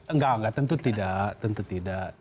enggak enggak tentu tidak